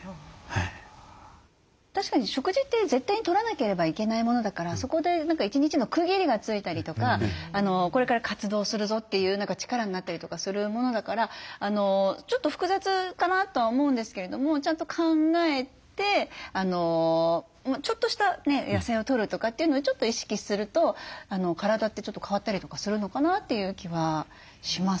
確かに食事って絶対にとらなければいけないものだからそこで一日の区切りがついたりとかこれから活動するぞっていう力になったりとかするものだからちょっと複雑かなとは思うんですけれどもちゃんと考えてちょっとした野菜をとるとかっていうのをちょっと意識すると体ってちょっと変わったりとかするのかなという気はしますね。